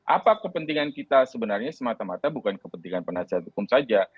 apa kepentingan kita sebenarnya semata mata bukan kepentingan penasihat hukum saja